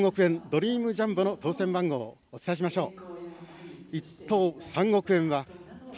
ドリームジャンボの当せん番号をお伝えしましょう。